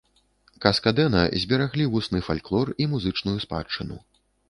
Каска-дэна збераглі вусны фальклор і музычную спадчыну.